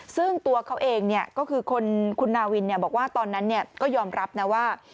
ซึ่งตัวเขาเองก็คือคุณนาวินบอกว่าตอนนั้นก็ยอมรับนะว่า